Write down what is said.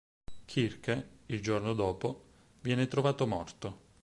Kirke, il giorno dopo, viene trovato morto.